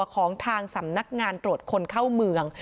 ของทางสำนักงานตรวจคนเข้าเมือง